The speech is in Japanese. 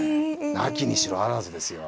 なきにしもあらずですよ。